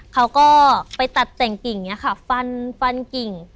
เขาก็ไปตัดแต่งกิ่งเนี่ยค่ะฟันกิ่ง